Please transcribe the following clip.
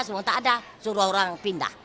semua tak ada suruh orang pindah